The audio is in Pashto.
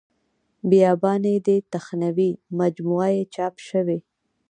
بیاباني دې تخنوي مجموعه یې چاپ شوې.